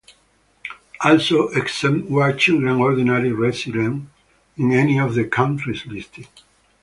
Also exempt were children ordinarily resident in any of the countries listed.